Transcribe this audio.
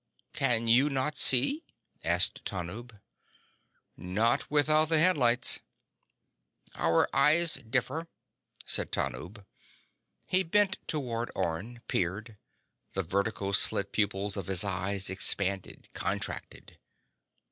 "Can you not see?" asked Tanub. "Not without the headlights." "Our eyes differ," said Tanub. He bent toward Orne, peered. The vertical slit pupils of his eyes expanded, contracted.